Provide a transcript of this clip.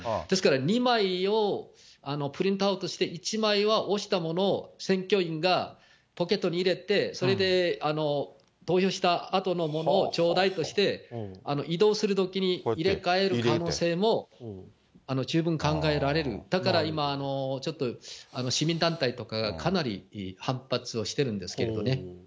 ですから２枚をプリントアウトして、１枚はおしたものを選挙員がポケットに入れて、それで投票したあとのものを頂戴として、移動するときに入れ替える可能性も十分考えられる、だから今、ちょっと、市民団体とかがかなり反発をしてるんですけれどもね。